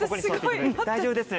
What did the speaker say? うん大丈夫です。